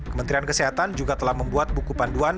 kementerian kesehatan juga telah membuat buku panduan